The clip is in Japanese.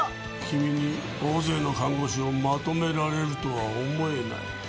君に大勢の看護師をまとめられるとは思えない。